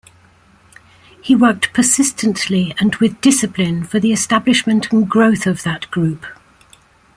He worked persistently and with discipline for the establishment and growth of that group.